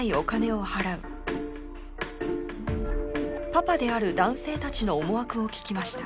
「パパ」である男性たちの思惑を聞きました。